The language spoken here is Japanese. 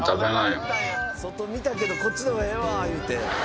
外見たけどこっちのがええわ言うて。